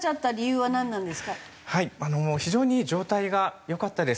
はい非常に状態が良かったです。